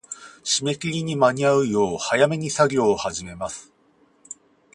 締め切りに間に合うよう、早めに作業を始めます。